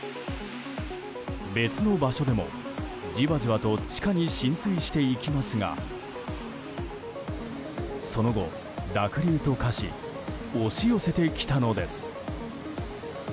別の場所でもじわじわと地下に浸水していきますがその後、濁流と化し押し寄せてきたのです。